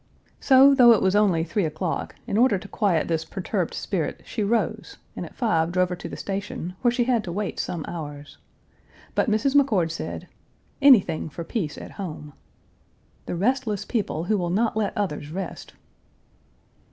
So, though it was only three o'clock, in order to quiet this perturbed spirit she rose and at five drove her to the station, where she had to wait some hours. But Mrs. McCord said, "anything for peace at home." The restless people who will not let others rest!